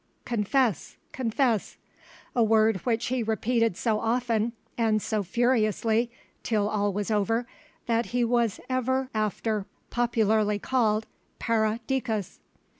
(Confess, confess!), a word which he repeated so often and so furiously, till all was over, that he was ever after popularly called "Pere Dicas."